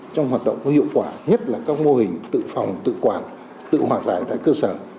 trong hoạt động có hiệu quả nhất là các mô hình tự phòng tự quản tự hòa giải tại cơ sở